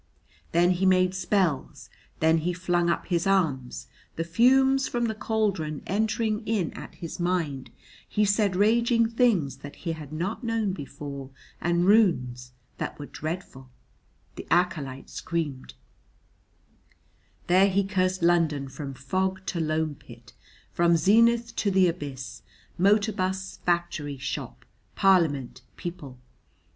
Then he made spells, then he flung up his arms; the fumes from the cauldron entering in at his mind he said raging things that he had not known before and runes that were dreadful (the acolyte screamed); there he cursed London from fog to loam pit, from zenith to the abyss, motor bus, factory, shop, parliament, people.